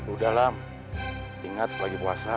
udah lam ingat lagi puasa